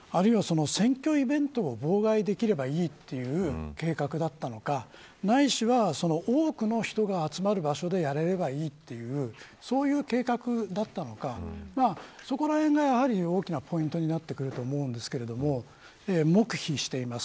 あるいは、選挙イベントを妨害できればいいという計画だったのかないしは、多くの人が集まる場所でやれればいいというそういう計画だったのかそこらへんが大きなポイントになってくると思うんですけれども黙秘しています。